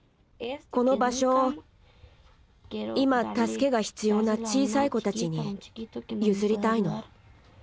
この場所をいま助けが必要な小さい子たちに譲りたいの。